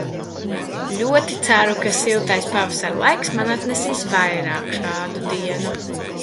Ļoti ceru, ka siltais pavasara laiks man atnesīs vairāk šādu dienu.